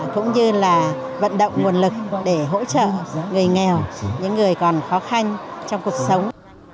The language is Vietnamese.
cũng như là vận động nguồn lực để hỗ trợ người nghèo những người còn khó khăn trong cuộc sống